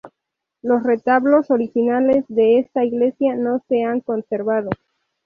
Los retablos originales de esta iglesia no se han conservado.